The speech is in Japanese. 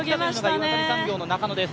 岩谷産業の中野です。